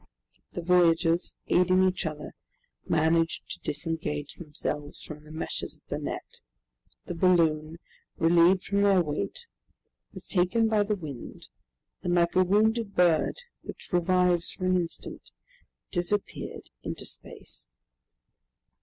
The voyagers, aiding each other, managed to disengage themselves from the meshes of the net. The balloon, relieved of their weight, was taken by the wind, and like a wounded bird which revives for an instant, disappeared into space.